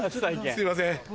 すいません。